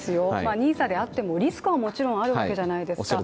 ＮＩＳＡであってもリスクはもちろんあるわけじゃないですか。